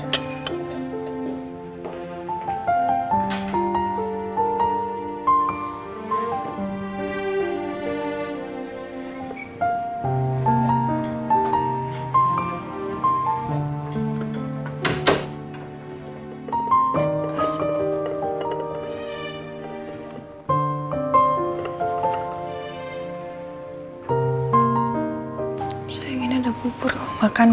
sayang ini ada bubur kamu makan ya